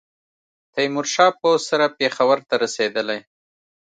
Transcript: تېمورشاه پوځ سره پېښور ته رسېدلی.